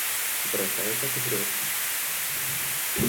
Бросаюсь отыгрываться.